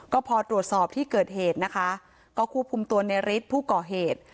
ก็พอตรวจสอบที่เกิดเหตุนะคะก็คู่ภูมิตัวเนริตผู้เกาะเหตุ